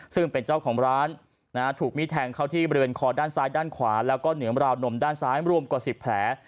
ซึ่งเป็นเจ้าของร้านถูกมีดแทงเข้าที่บริเวณคอด้านซ้ายด้านขวาแล้วก็เหนือราวนมด้านซ้ายรวมกว่า๑๐แผล